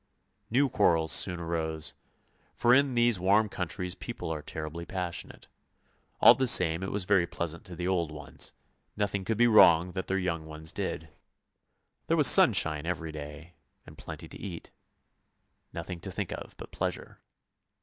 New quarrels soon arose, for in these warm countries people are terribly passionate. All the same it was very pleasant to the old ones, nothing could be 284 ANDERSEN'S FAIRY TALES wrong that their young ones did. There was sunshine even day, and plenty :: e rt nothing to think of but pleasure!